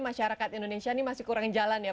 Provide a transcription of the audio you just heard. masyarakat indonesia ini masih kurang jalan ya